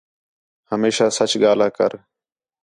ہمیشہ سچ ڳاہلا کر